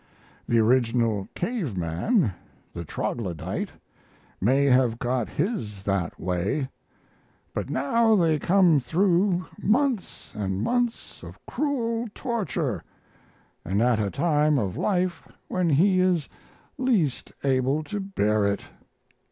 The original cave man, the troglodyte, may have got his that way. But now they come through months and months of cruel torture, and at a time of life when he is least able to bear it.